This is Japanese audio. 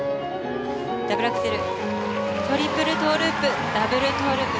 ダブルアクセルトリプルトウループダブルトウループ